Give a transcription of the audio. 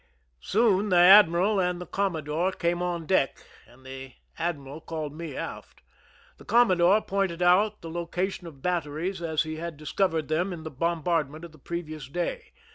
Soon the ad miral and tlie commodore came on deck, and the admiral called me aft. The commodore pointed out the location of batteries as he had discovered them in th<^ bombardment of the previous day.